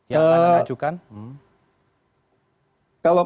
yang akan dinajukan